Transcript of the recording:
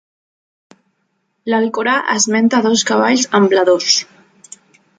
L'Alcorà esmenta dos cavalls ambladors.